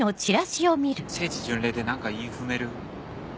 「聖地巡礼」で何か韻踏める？